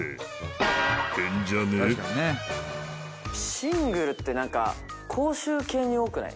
シングルって何か公衆系に多くない？